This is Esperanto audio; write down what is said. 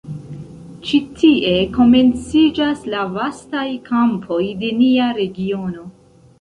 Ĉi tie komenciĝas la vastaj kampoj de nia regiono.